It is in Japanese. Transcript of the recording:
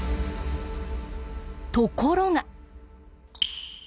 ところが。